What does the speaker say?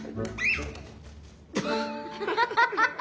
ハハハハ。